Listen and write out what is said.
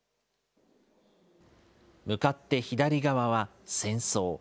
向かって左側は戦争。